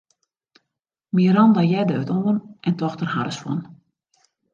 Miranda hearde it oan en tocht der harres fan.